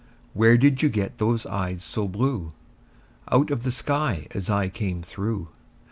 Where did you get those eyes so blue? Out of the sky as I came through.